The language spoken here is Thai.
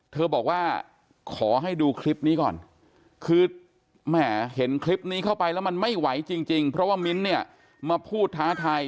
บอกว่าขอให้ดูคลิปนี้ก่อนคือแหมเห็นคลิปนี้เข้าไปแล้วมันไม่ไหวจริงเพราะว่ามิ้นเนี่ยมาพูดท้าทาย